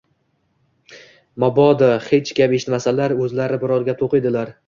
Mobodo hech gap eshitmasalar, o‘zlari biror gap to‘qiydilar